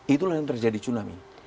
itulah yang terjadi tsunami